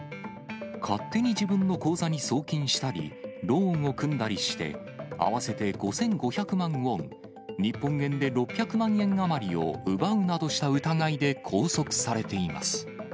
勝手に自分の口座に送金したり、ローンを組んだりして、合わせて５５００万ウォン、日本円で６００万円余りを奪うなどした疑いで拘束されています。